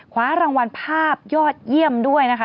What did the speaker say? คว้ารางวัลภาพยอดเยี่ยมด้วยนะคะ